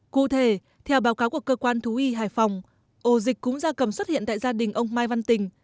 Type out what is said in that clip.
cụ thể theo báo cáo của cơ quan thú y hải phòng ổ dịch cúng gia cầm xuất hiện tại gia đình ông mai văn tình